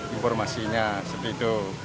informasinya seperti itu